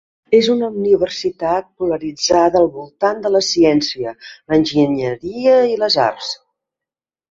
És una universitat polaritzada al voltant de la ciència, l'enginyeria i les arts.